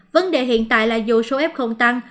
vấn đề hiện tại là dù số f tăng